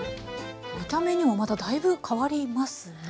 見た目にはまただいぶ変わりますね。